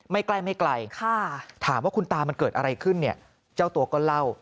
ใกล้ไม่ไกลถามว่าคุณตามันเกิดอะไรขึ้นเนี่ยเจ้าตัวก็เล่า